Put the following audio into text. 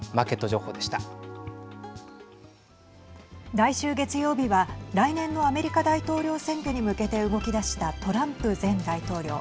来週月曜日は来年のアメリカ大統領選挙に向けて動き出したトランプ前大統領。